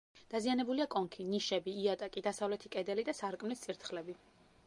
დაზიანებულია კონქი, ნიშები, იატაკი, დასავლეთი კედელი და სარკმლის წირთხლები.